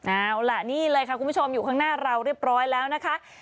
เอาล่ะนี่เลยค่ะคุณผู้ชมอยู่ข้างหน้าเราเรียบร้อยแล้วนะคะ